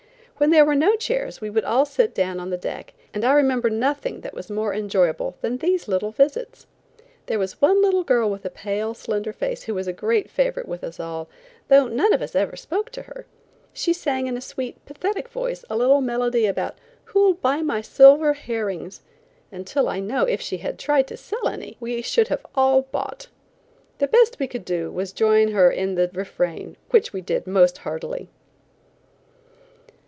When there were no chairs we would all sit down on the deck, and I remember nothing that was more enjoyable than these little visits. There was one little girl with a pale, slender face, who was a great favorite with us all, though none of us ever spoke to her. She sang in a sweet, pathetic voice a little melody about "Who'll buy my silver herrings?" until, I know, if she had tried to sell any, we should all have bought. The best we could do was to join her in the refrain, which we did most heartily.